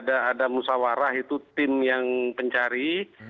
ada musawarah itu tim yang pencari